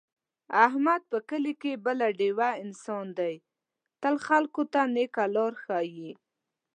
احمد په کلي کې بله ډېوه انسان دی، تل خلکو ته نېکه لاره ښي.